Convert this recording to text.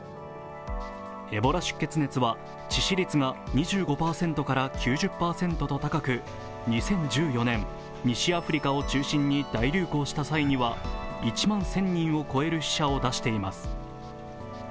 エボラ出血熱は致死率が２５％から９０％と高く、２０１４年、西アフリカを中心に大流行した際には１万１０００人を超える死者を出しています。